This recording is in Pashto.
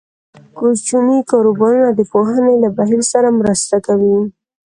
کوچني کاروبارونه د پوهنې له بهیر سره مرسته کوي.